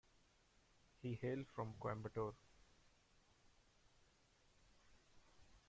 He hails from Coimbatore.